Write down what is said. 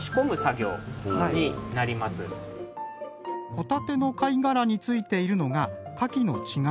ホタテの貝殻についているのがカキの稚貝。